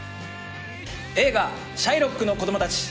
映画『シャイロックの子供たち』。